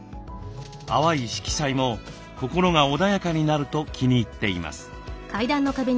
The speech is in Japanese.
淡い色彩も心が穏やかになると気に入っています。